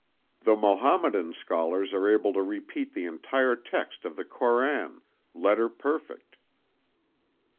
The Mohammedan scholars are able to repeat the entire text of the Koran, letter perfect.